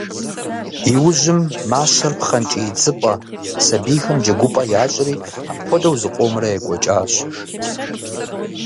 Иужьым мащэр пхъэнкӏий идзыпӏэ, сабийхэми джэгупӏэ ящӏри, апхуэдэу зыкъомрэ екӏуэкӏащ.